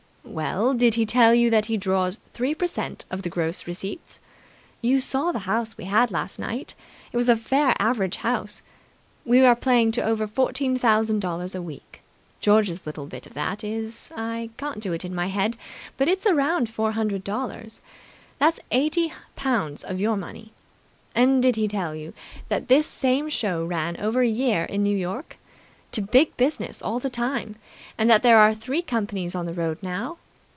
"Well, did he tell you that he draws three per cent of the gross receipts? You saw the house we had last night. It was a fair average house. We are playing to over fourteen thousand dollars a week. George's little bit of that is I can't do it in my head, but it's a round four hundred dollars. That's eighty pounds of your money. And did he tell you that this same show ran over a year in New York to big business all the time, and that there are three companies on the road now?